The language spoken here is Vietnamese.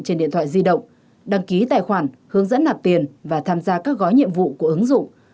trên điện thoại di động đăng ký tài khoản hướng dẫn nạp tiền và tham gia các gói nhiệm vụ của ứng dụng